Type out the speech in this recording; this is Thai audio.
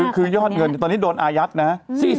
คือยอดเงินตัวนี้โดนอาญักษณ์นะฮะ